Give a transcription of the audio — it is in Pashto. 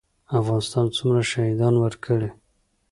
افغانستان څومره شهیدان ورکړي؟